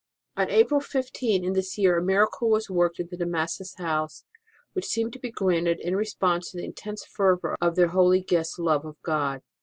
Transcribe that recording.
On April 15 in this year a miracle was worked in the De Massas house, which seemed to be granted in response tc the intense fervour of their holy guest s love of God.